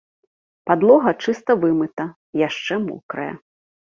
Падлога чыста вымыта, яшчэ мокрая.